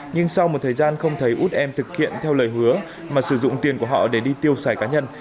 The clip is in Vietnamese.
nhưng sau một thời gian không thấy út em thực hiện theo lời hứa mà sử dụng tiền của họ để đi tiêu xài cá nhân